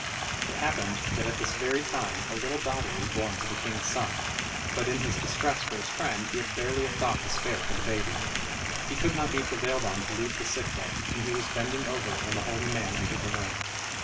It happened that at this very time a little daughter was born to the king's son, but in his distress for his friend he had hardly a thought to spare for the baby. He could not be prevailed on to leave the sick bed, and he was bending over it when the holy man entered the room.